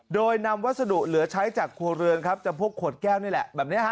โดยนำวัสดุเหลือใช้จากขัวเรือนครับจากพวกขวดแก้วนี่แหละ